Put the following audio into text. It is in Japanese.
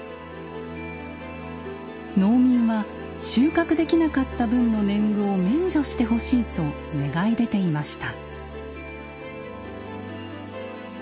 農民は収穫できなかった分の年貢を免除してほしいと願い出ていました。